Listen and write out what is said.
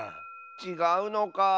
ちがうのか。